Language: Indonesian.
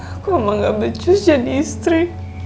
aku emang gak becus jadi istri